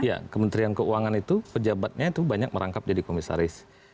ya kementerian keuangan itu pejabatnya itu banyak merangkap jadi komisaris